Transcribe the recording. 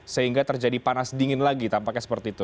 sehingga terjadi panas dingin lagi tampaknya seperti itu